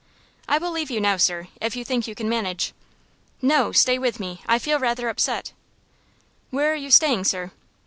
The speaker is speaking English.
"I will leave you now, sir, if you think you can manage." "No, stay with me. I feel rather upset." "Where are you staying, sir?"